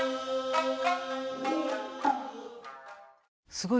すごい。